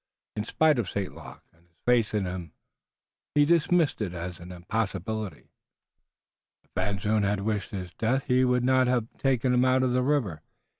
In spite of St. Luc and his faith in him he dismissed it as an impossibility. If Van Zoon had wished his death he would not have been taken out of the river.